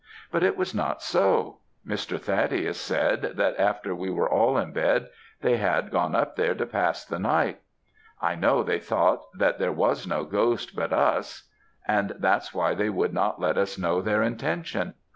But it was not so; Mr. Thaddeus said, that after we were all in bed, they had gone up there to pass the night. I know they thought that there was no ghost but us, and that's why they would not let us know their intention.